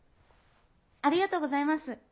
ありがとうございます。